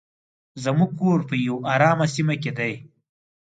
زموږ کور په یو ارامه سیمه کې دی.